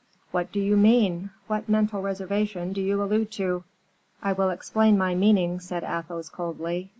"What do you mean? what mental reservation do you allude to?" "I will explain my meaning," said Athos, coldly.